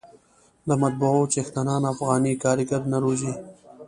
د مطبعو څښتنان افغاني کارګر نه روزي.